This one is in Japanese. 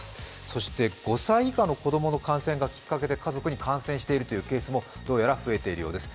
そして５歳以下の子供の感染がきっかけで家族に感染しているケースもどうやら増えているようです。